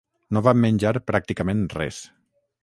No vam menjar pràcticament res.